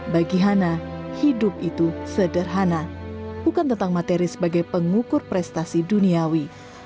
bagi hana hidup itu sederhana bukan tentang materi sebagai pengukur prestasi duniawi